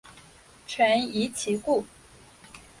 臣疑其故。